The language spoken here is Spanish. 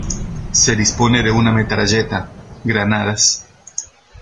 Se dispone de una metralleta, granadas.